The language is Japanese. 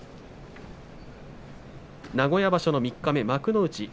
名古屋場所三日目、幕内